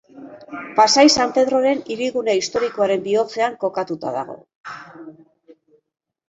Pasai San Pedroren hirigune historikoaren bihotzean kokatuta dago.